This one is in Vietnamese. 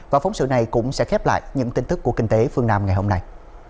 và phóng sự này cũng sẽ khép lại những tin tức của kinh tế phương nam ngày hôm nay